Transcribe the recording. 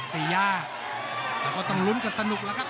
ตียาก็ต้องลุ้นกับสนุกแล้วฮะ